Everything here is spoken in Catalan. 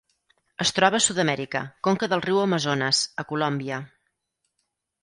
Es troba a Sud-amèrica: conca del riu Amazones, a Colòmbia.